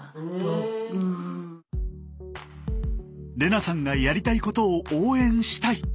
玲那さんがやりたいことを応援したい。